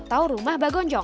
terima kasih pak